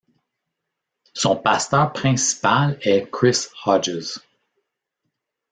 Son pasteur principal est Chris Hodges.